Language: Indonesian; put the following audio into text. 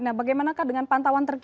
nah bagaimana dengan pantauan terkini pak